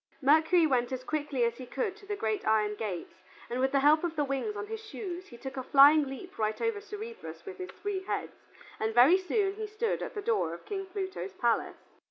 Mercury went as quickly as he could to the great iron gates, and with the help of the wings on his shoes, he took a flying leap right over Cerberus with his three heads, and very soon he stood at the door of King Pluto's palace.